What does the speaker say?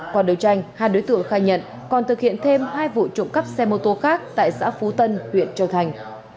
qua đấu tranh hai đối tượng khai nhận còn thực hiện thêm hai vụ trộm cắp xe mô tô khác tại xã phú tân huyện châu thành